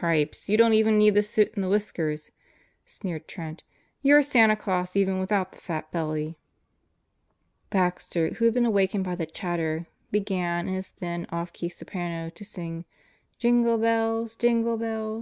"Gripes 1 You don't even need the suit and the whiskers," sneered Trent. "You're Santa Glaus even without the fat belly." Baxter, who had been awakened by the chatter, began, in his thin, off key soprano, to sing: "Jingle bells, jingle bells .